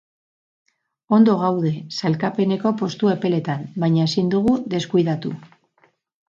Ondo gaude, sailkapeneko postu epeletan, baina ezin dugu deskuidatu.